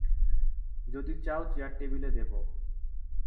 যদি চাও চেয়ার- টেবিলে দেব।